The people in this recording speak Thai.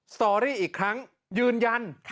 สตอรี่อีกครั้งยืนยัน